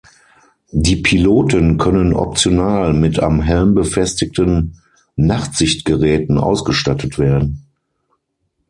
Die Piloten können optional mit am Helm befestigten Nachtsichtgeräten ausgestattet werden.